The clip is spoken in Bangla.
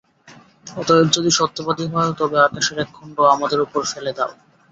অতএব যদি সত্যবাদী হও, তবে আকাশের এক খণ্ড আমাদের উপর ফেলে দাও।